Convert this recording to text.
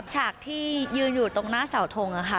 ฉากที่ยืนอยู่ตรงหน้าเสาทงค่ะ